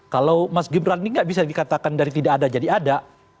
kalau mas gibran ini nggak bisa dikatakan dari tidak ada jadi ada